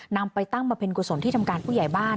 นำไปตั้งบำเพ็ญกุศลที่ทำการผู้ใหญ่บ้าน